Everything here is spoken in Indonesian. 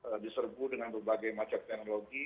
jadi serbu dengan berbagai macam teknologi